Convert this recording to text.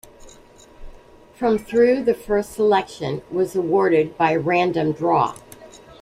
From through the first selection was awarded by a random draw.